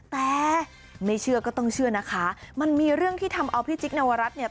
แต่ไม่เชื่อก็ต้องเชื่อนะคะมันมีเรื่องที่ทำเอาพี่จิ๊กนวรัฐเนี่ย